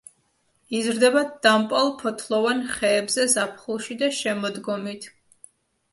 იზრდება დამპალ ფოთლოვან ხეებზე ზაფხულში და შემოდგომით.